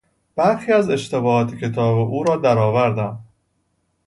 برخی از اشتباهات کتاب او را درآوردم.